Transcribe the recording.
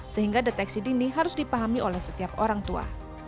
sehingga deteksi dini harus dipahami oleh setiap orang tua